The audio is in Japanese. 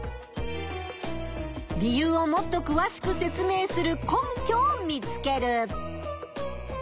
理由をもっとくわしく説明する根拠を見つける。